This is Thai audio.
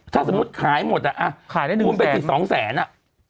ถ้าสมมุติขายหมดอ่ะมุ่งไปถึง๒แสนอ่ะ